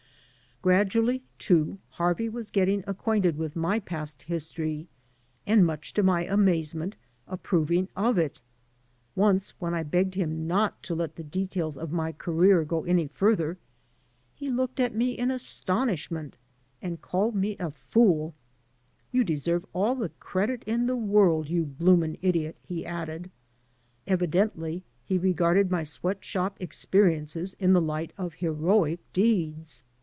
Gradually, too, Harvey was getting acquainted witji^ my past history and, much to my amazement, approv ing of it. Once when I begged him not to let the details of my career go any farther he looked at me in astonishment and called me a fooL '^You deserve all the credit in the world, you bloomin' idiot," he added. Evidently he regarded my sweat shop experiences in the light of heroic deeds.